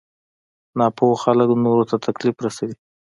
ناپوه خلک نورو ته تکليف رسوي.